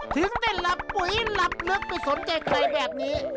ถึงได้หลับปุ๋ยหลับลึกไปสนใจใครแบบนี้